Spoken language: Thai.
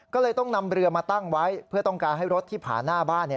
ก็เลยต้องนำเรือมาตั้งไว้เพื่อต้องการให้รถที่ผ่านหน้าบ้าน